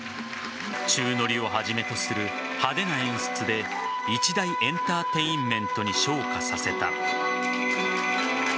宙乗りをはじめとする派手な演出で一大エンターテインメントに昇華させた。